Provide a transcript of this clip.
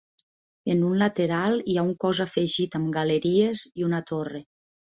En un lateral hi ha un cos afegit amb galeries i una torre.